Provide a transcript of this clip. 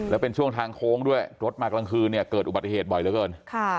แล้วเป็นช่วงทางโค้งด้วยรถมากลางคืนเนี่ยเกิดอุบัติเหตุบ่อยเหลือเกิน